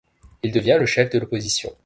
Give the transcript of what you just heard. Il devient le chef de l'opposition.